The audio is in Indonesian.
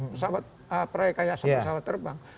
pesawat peraya kayak sebuah pesawat terbang